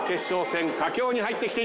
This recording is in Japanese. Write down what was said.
佳境に入ってきています。